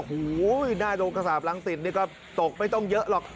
ว้ววหน้าโรงกษาบล้างสินนี่ก็ตกไม่ต้องเยอะหรอก